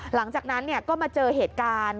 หลังจากนั้นก็มาเจอเหตุการณ์